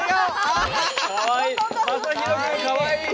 かわいい。